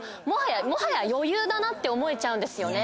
もはや余裕だなって思えちゃうんですよ。